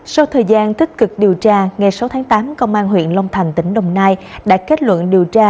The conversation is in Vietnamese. sau thời gian tích cực điều tra ngày sáu tháng tám công an huyện long thành tỉnh đồng nai đã kết luận điều tra